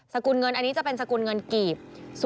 กุลเงินอันนี้จะเป็นสกุลเงินกีบ